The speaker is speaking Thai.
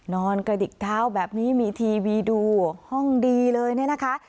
นอนกระดิกเท้าแบบนี้มีทีวีดูห้องดีเลยเนี่ยนะคะ